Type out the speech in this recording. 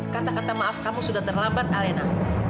kata kata maaf kamu sudah terlambat alena